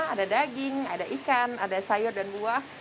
ada daging ada ikan ada sayur dan buah